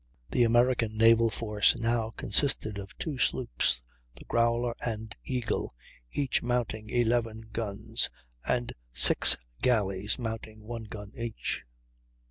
The American naval force now consisted of two sloops, the Growler and Eagle, each mounting 11 guns, and six galleys, mounting one gun each.